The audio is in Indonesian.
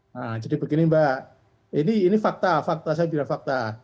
nah jadi begini mbak ini fakta fakta saya bilang fakta